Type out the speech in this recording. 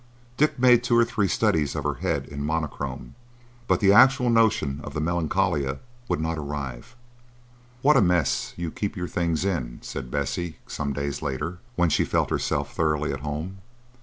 Dick made two or three studies of her head in monochrome, but the actual notion of the Melancolia would not arrive. "What a mess you keep your things in!" said Bessie, some days later, when she felt herself thoroughly at home.